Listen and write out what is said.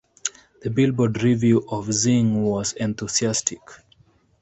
The Billboard review of "Zing" was enthusiastic.